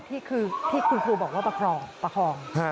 ที่คือที่คุณครูบอกว่าประคอง